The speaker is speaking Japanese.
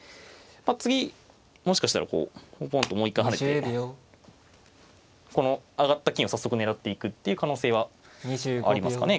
次もしかしたらこうポンポンともう一回跳ねてこの上がった金を早速狙っていくっていう可能性はありますかね。